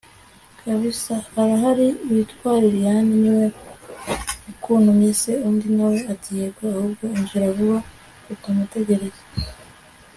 kbsa arahari witwa liliane, niwe ukuntumye se!? undi nawe ati yego ahubwo injira vuba utamukereza